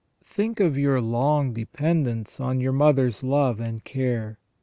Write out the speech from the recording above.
Think of your long dependence on your mother's love and care.